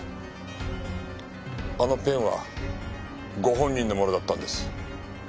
あのペンはご本人のものだったんです。